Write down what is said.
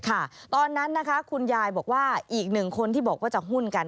ตอนนั้นนะคะคุณยายบอกว่าอีกหนึ่งคนที่บอกว่าจะหุ้นกัน